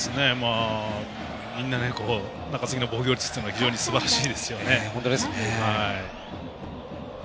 みんなね中継ぎの防御率というのは非常にすばらしいですよね。